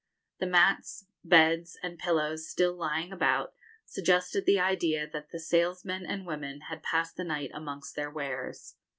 The mats, beds, and pillows still lying about suggested the idea that the salesmen and women had passed the night amongst their wares.